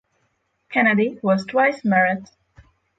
Kennedy was twice married.